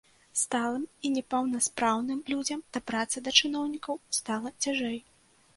Сталым і непаўнаспраўным людзям дабрацца да чыноўнікаў стала цяжэй.